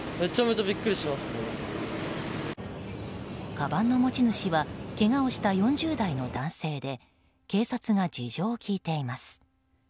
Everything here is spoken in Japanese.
かばんの持ち主はけがをした５０代の男性で警察が事情を聴いています。